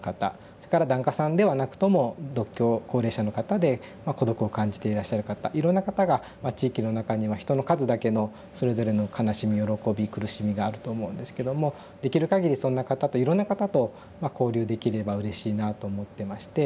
それから檀家さんではなくとも独居高齢者の方で孤独を感じていらっしゃる方いろんな方が地域の中には人の数だけのそれぞれの悲しみ喜び苦しみがあると思うんですけどもできるかぎりそんな方といろんな方と交流できればうれしいなと思ってまして。